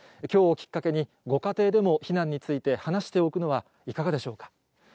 きょうをきっかけに、ご家庭でも避難について話しておくのはいかがでしょうか。